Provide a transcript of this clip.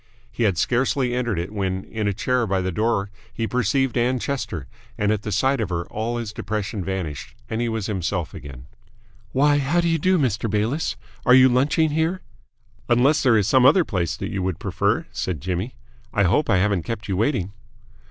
He had scarcely entered it when in a chair by the door he perceived Ann Chester, and at the sight of her all his depression vanished and he was himself again. "Why, how do you do, Mr. Bayliss? Are you lunching here?" "Unless there is some other place that you would prefer," said Jimmy. "I hope I haven't kept you waiting."